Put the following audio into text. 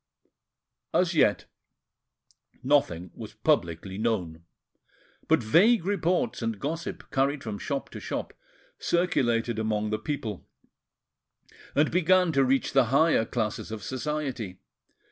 As yet, nothing was publicly known; but vague reports and gossip, carried from shop to shop, circulated among the people, and began to reach the higher classes of society.